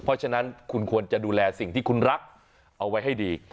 เพราะฉะนั้นคุณควรจะดูแลสิ่งที่คุณรักเอาไว้ให้ดี